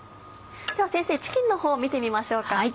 では先生チキンのほう見てみましょうか。